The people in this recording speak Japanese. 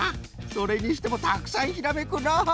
それにしてもたくさんひらめくの！